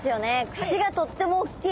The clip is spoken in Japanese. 口がとっても大きい。